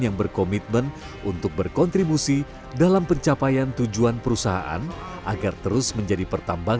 yang berhasil mengembangkan kemampuan dan kemampuan yang diperlukan